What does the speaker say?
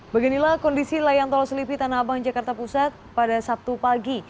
beginilah kondisi layan tol selipi tanah abang jakarta pusat pada sabtu pagi